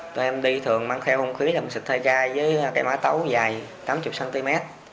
tụi em đi thường mang theo hung khí làm xịt hơi cay với cái mã tấu dài tám mươi cm